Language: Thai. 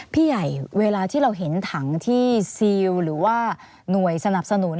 พี่ใหญ่เวลาที่เราเห็นถังที่ซีลหรือว่าหน่วยสนับสนุน